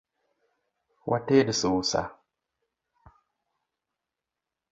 Wated susa